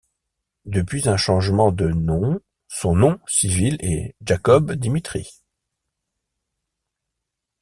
Depuis un changement de nom son nom civil est Jakob Dimitri.